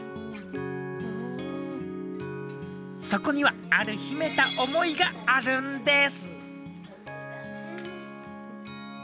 そこにはある秘めた思いがあるんです。